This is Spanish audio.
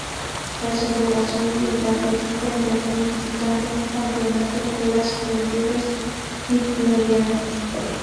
La sublevación militar le pilla en Berlín visitando un campamento de las Juventudes Hitlerianas.